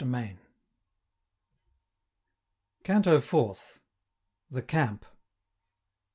215 CANTO FOURTH. THE CAMP.